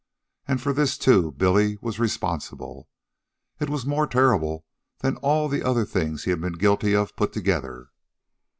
And for this, too, Billy was responsible. It was more terrible than all the other things he had been guilty of put together.